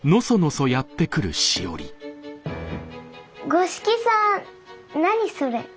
五色さん何それ？